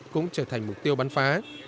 cũng trở thành mục tiêu bắn phá